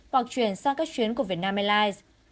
hoặc chuyển sang các chuyến của vietnam airlines